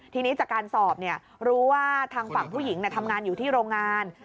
ทีนี้จากการสอบรู้ว่าทางฝั่งผู้หญิงทำงานอยู่ที่โรงงาน